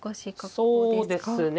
そうですね。